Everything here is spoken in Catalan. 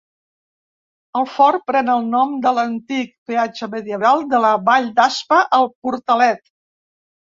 El fort pren el nom de l'antic peatge medieval de la vall d'Aspa, el Portalet.